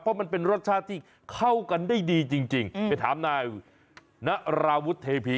เพราะมันเป็นรสชาติที่เข้ากันได้ดีจริงไปถามนายนราวุฒิเทพี